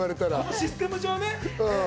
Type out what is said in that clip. システム上ね。